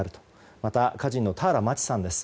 また、歌人の俵万智さんです。